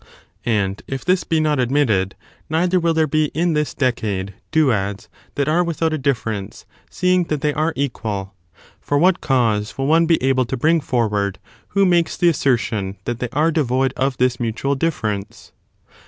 And, if this be not admitted, neither will there is.shownin the be in this decade duads that are without a dif cases of a de ference, seeing that they are equal; for what ^*' cause will one be able to bring forward who makes the assertion that they are devoid of this mutual difference?